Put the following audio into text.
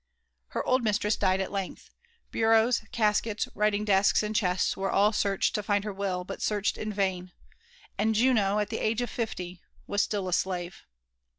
Her old mistress died at length. Bureaus, caskets, writing desks, and chests were all searched to find her will, but searched in vain ; and Juno, at the age of fifty, was still a slave.